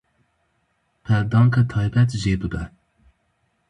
Peldanka taybet jê bibe.